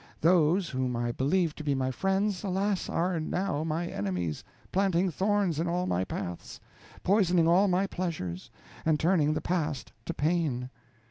Those whom I believed to be my friends, alas! are now my enemies, planting thorns in all my paths, poisoning all my pleasures, and turning the past to pain.